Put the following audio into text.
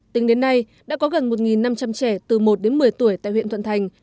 tính đến nay đã có gần một năm trăm linh trẻ từ một đến một mươi tuổi tại huyện thuận thành